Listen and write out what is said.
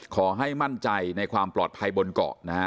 ขอให้มั่นใจในความปลอดภัยบนเกาะนะฮะ